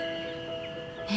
え？